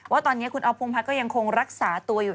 ว่าตอนนี้คุณอ๊อพงพัฒน์ก็ยังคงรักษาตัวอยู่